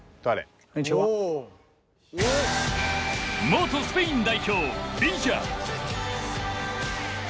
元スペイン代表ビジャ！